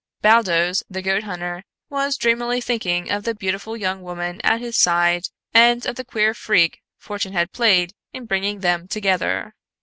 Baldos, the goat hunter, was dreamily thinking of the beautiful young woman at his side and of the queer freak Fortune had played in bringing them together.